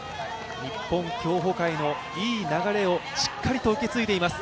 日本競歩界のいい流れをしっかりと受け継いでいます。